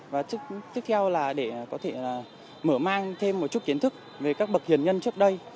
và tiếp theo là để có thể mở mang thêm một chút kiến thức về các bậc tiền nhân trước đây